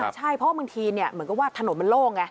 ใช่เพราะว่าบางทีเหมือนกับว่าถนนมันโล่งไง